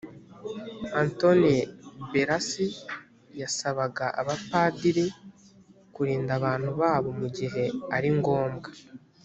antonio beras yasabaga abapadiri kurinda abantu babo mugihe ari ngombwa